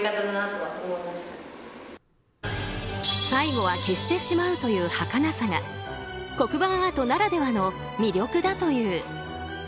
最後は消してしまうという、はかなさが黒板アートならではの魅力だという。